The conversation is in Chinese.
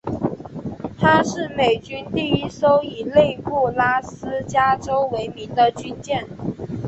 她是美军第一艘以内布拉斯加州为名的军舰。